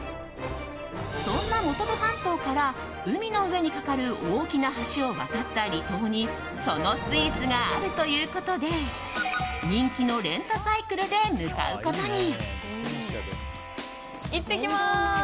そんな本部半島から海の上に架かる大きな橋を渡った離島にそのスイーツがあるということで人気のレンタサイクルで向かうことに。